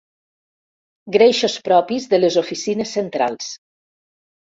Greixos propis de les oficines centrals.